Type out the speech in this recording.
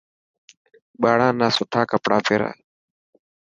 ٻاڙان نا سٺا ڪپڙا پيرا.